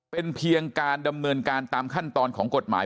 เป็นเพียงการดำเนินการตามขั้นตอนของกฎหมาย